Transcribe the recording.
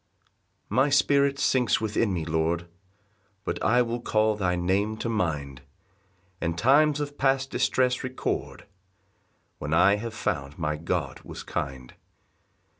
1 My spirit sinks within me, Lord, But I will call thy name to mind, And times of past distress record, When I have found my God was kind.